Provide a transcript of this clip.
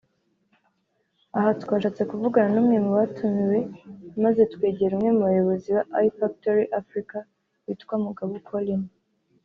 Aha twashatse kuvugana n’umwe mu bamutumiye maze twegera umwe mu bayobozi wa Ifactory Africa witwa Mugabo Collin